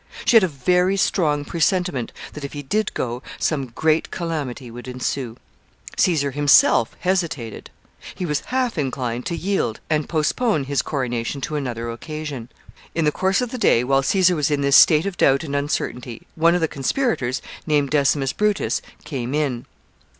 She had a very strong presentiment that, if he did go, some great calamity would ensue. Caesar himself hesitated. He was half inclined to yield, and postpone his coronation to another occasion. [Sidenote: Decimus Brutus.] In the course of the day, while Caesar was in this state of doubt and uncertainty, one of the conspirators, named Decimus Brutus, came in.